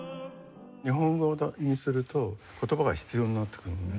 日本語にすると言葉が必要になってくるのね。